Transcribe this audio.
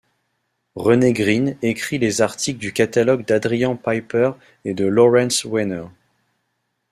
Renée Green écrit les articles du catalogue d’Adrian Piper et de Lawrence Weiner.